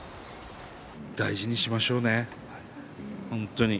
大事にしましょうね本当に。